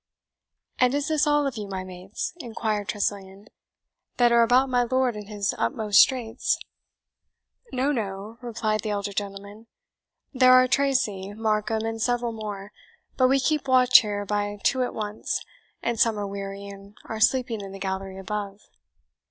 "And is this all of you, my mates," inquired Tressilian, "that are about my lord in his utmost straits?" "No, no," replied the elder gentleman, "there are Tracy, Markham, and several more; but we keep watch here by two at once, and some are weary and are sleeping in the gallery above."